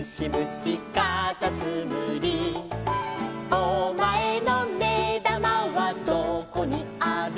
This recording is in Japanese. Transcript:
「お前のめだまはどこにある」